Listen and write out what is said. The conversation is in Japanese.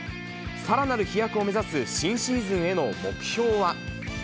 さらなる飛躍を目指す新シーズンへの目標は。